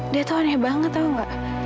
dia tuh aneh banget tahu nggak